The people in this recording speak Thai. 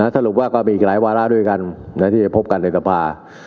สรุปว่าก็มีอีกหลายวาระด้วยกันที่จะพบกันในสภา